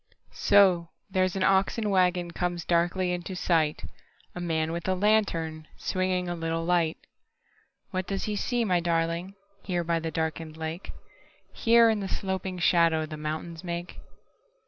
So, there's an oxen wagonComes darkly into sight:A man with a lantern, swingingA little light. What does he see, my darlingHere by the darkened lake? Here, in the sloping shadowThe mountains make?